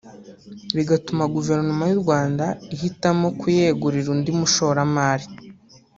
bigatuma Guverinoma y’u Rwanda ihitamo kuyegurira undi mushoramari